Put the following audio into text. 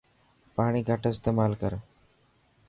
پاڻي گهٽ استيمال ڪرن.